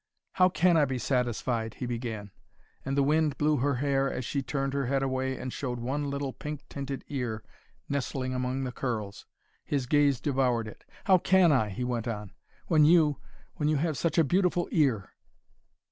"How can I be satisfied " he began, and the wind blew her hair as she turned her head away and showed one little pink tinted ear nestling among the curls. His gaze devoured it. "How can I," he went on, "when you when you have such a beautiful ear!"